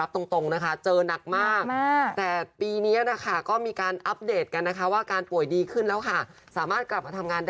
ก็ต้องอัพเดทกันนิดนึงเรื่องสุขภาพ